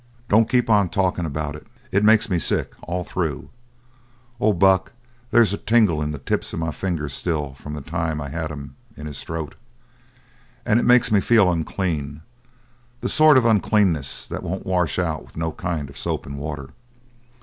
"Don't keep on talkin' about it. It makes me sick all through. Oh, Buck, they's a tingle in the tips of my fingers still from the time I had 'em in his throat. And it makes me feel unclean the sort of uncleanness that won't wash out with no kind of soap and water.